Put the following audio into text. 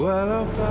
walau pasti kelihatan